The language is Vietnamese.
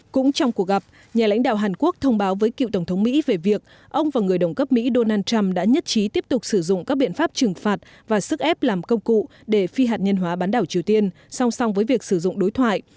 cũng trong cuộc gặp nhà lãnh đạo hàn quốc thông báo với cựu tổng thống mỹ về việc ông và người đồng cấp mỹ donald trump đã nhất trí tiếp tục sử dụng các biện pháp trừng phạt và sức ép làm công cụ để phi hạt nhân hóa bán đảo triều tiên song song với việc sử dụng đối thoại